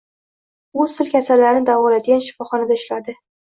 U sil kasallarni davolaydigan shifoxonada ishladi.